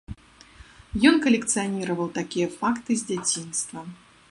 Ён калекцыяніраваў такія факты з дзяцінства.